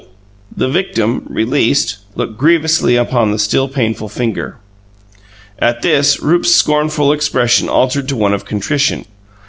The victim, released, looked grievously upon the still painful finger. At this Rupe's scornful expression altered to one of contrition.